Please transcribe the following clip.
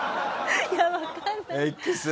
いやわかんない。